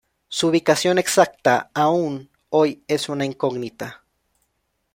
Su ubicación exacta aún hoy es una incógnita.